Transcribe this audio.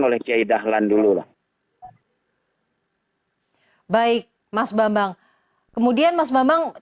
mereka sudah terbicara tentang ini